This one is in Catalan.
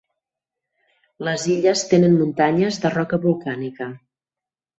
Les illes tenen muntanyes de roca volcànica.